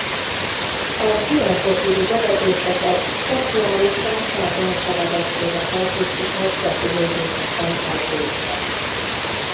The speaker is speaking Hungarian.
Az ilyen profilú bevetéseket speciálisan erre a feladatkörre felkészített repülőgépek hajtják végre.